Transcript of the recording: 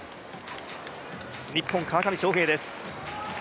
日本、川上翔平です。